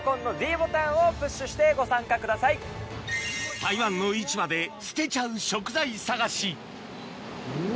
台湾の市場で捨てちゃう食材探しうわ。